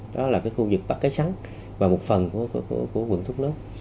đó là cái khu vực bạc cái sắn và một phần của quận thúc lớp